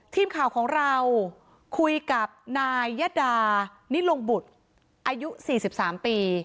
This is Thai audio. ทีมข่าวของเราคุยกับนายยดานิลงบุตรอายุ๔๓ปี